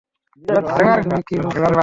জানি তুমি কি ভাবছো।